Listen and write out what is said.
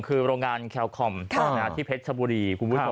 คือโรงงานแคลคอมที่เพชรชโบรี